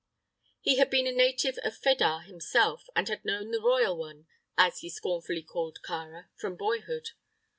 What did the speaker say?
He had been a native of Fedah himself, and had known "the royal one," as he scornfully called Kāra, from boyhood.